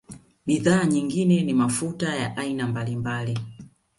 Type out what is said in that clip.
Bidhaa nyingine ni mafuta ya aina mbalimbali